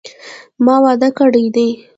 ما واده کړی دي